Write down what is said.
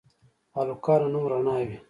هلکانو نوم رڼا وي